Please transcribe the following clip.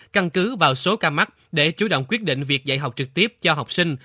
căn cứ vào số ca mắc để chú động quyết định việc dạy học trực tiếp cho học sinh